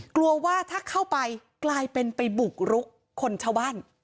กลัวว่าถ้าเข้าไปกลายเป็นไปบุกรุกคนชาวบ้าน